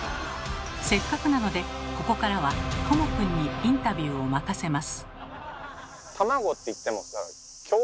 せっかくなのでここからはとも君にインタビューを任せます。